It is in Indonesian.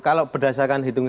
kalau berdasarkan hidupnya